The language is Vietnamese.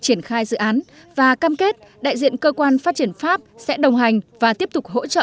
triển khai dự án và cam kết đại diện cơ quan phát triển pháp sẽ đồng hành và tiếp tục hỗ trợ